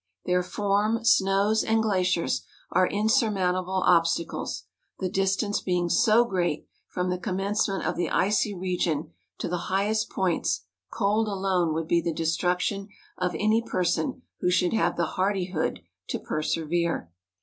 Their form, snows, and glaciers, are in¬ surmountable obstacles, the distance being so great, from the commencement of the icy region to the highest points, cold alone would be the destruction of any person who should have the hardihood to persevere.